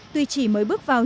tuy chỉ mới bước vào